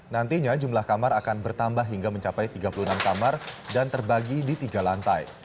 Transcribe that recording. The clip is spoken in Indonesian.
nantinya jumlah kamar akan bertambah hingga mencapai tiga puluh enam kamar dan terbagi di tiga lantai